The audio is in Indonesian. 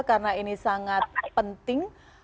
karena ini sangat penting